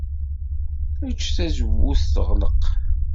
Ejj tazewwut teɣleq.